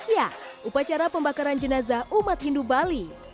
ya upacara pembakaran jenazah umat hindu bali